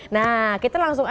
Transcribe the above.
nah kita langsung aja